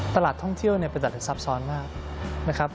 ตลาดท่องเที่ยวประจำสับสรรค์มากนะครับ